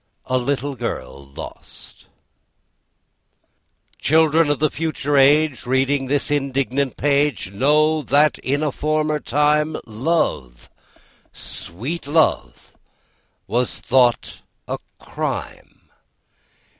A LITTLE GIRL LOST Children of the future age, Reading this indignant page, Know that in a former time Love, sweet love, was thought a crime.